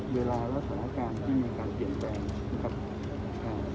เวลาราวศาลการณ์ที่มีการเปลี่ยนแปลงนะครับอ่า